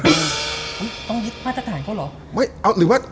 คุณต้องยึดมาตรฐานเขาเหรอ